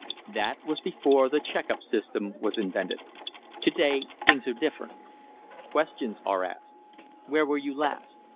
That was before the "check up" system was invented. Today things are different. Questions are asked "Where were you last?"